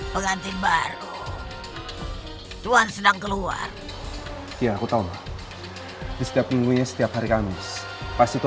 pengantin baru tuhan sedang keluar ya aku tahu setiap minggu setiap hari kamis pasti